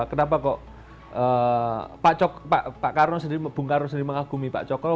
kenapa kok pak karno sendiri bung karno sendiri mengagumi pak cokro